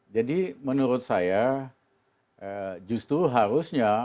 jadi menurut saya justru harusnya